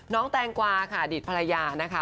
น้องแตงกวาค่ะดิจภรรยานะคะ